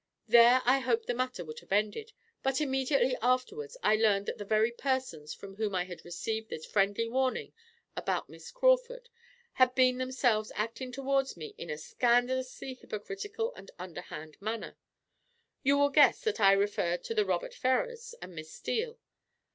There I hoped the matter would have ended, but immediately afterwards I learned that the very persons from whom I had received this friendly warning about Miss Crawford had been themselves acting towards me in a scandalously hypocritical and underhand manner. You will guess that I refer to the Robert Ferrars and Miss Steele.